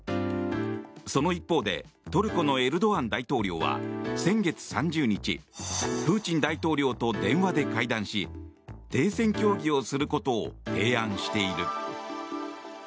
その一方でトルコのエルドアン大統領は先月３０日プーチン大統領と電話で会談し停戦協議をすることを提案している。